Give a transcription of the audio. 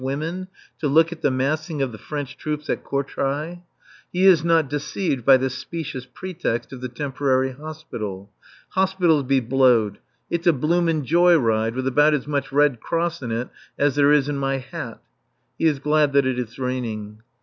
women to look at the massing of the French troops at Courtrai! He is not deceived by the specious pretext of the temporary hospital. Hospitals be blowed. It's a bloomin' joy ride, with about as much Red Cross in it as there is in my hat. He is glad that it is raining.